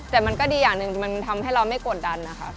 แต่มันก็ดีอย่างหนึ่งมันทำให้เราไม่กดดันนะคะ